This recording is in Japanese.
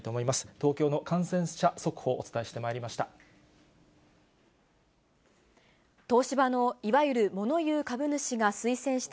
東京の感染者速報、お伝えしてまいりました。